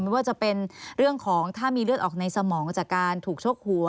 ไม่ว่าจะเป็นเรื่องของถ้ามีเลือดออกในสมองจากการถูกชกหัว